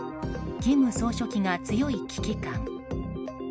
金総書記が強い危機感。